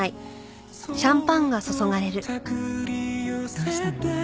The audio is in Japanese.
どうしたの？